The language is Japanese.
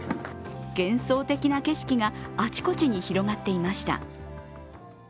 幻想的な景色があちこちに広がっていました。